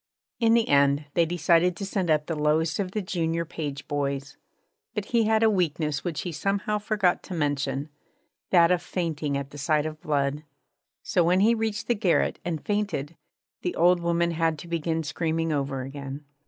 In the end they decided to send up the lowest of the junior page boys. But he had a weakness which he somehow forgot to mention that of fainting at the sight of blood. So when he reached the garret and fainted, the old woman had to begin screaming over again.